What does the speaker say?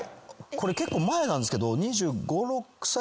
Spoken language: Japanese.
これ結構前なんですけど。